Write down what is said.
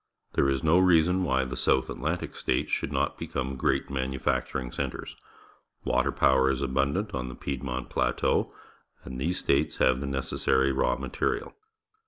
There is no reason why the South Atlantic States should not become great manufactur ing centres. Water power is abundant on the Piedmont Plateau, and these states have the necessary raw material.